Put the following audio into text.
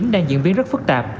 đang diễn biến rất phức tạp